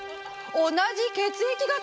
同じ血液型！